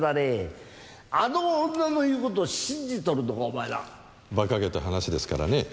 あの女の言うことを信じとるのかお前ら。馬鹿げた話ですからね。